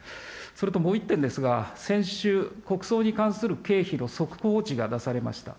それともう一点ですが、先週、国葬に関する経費の速報値が出されました。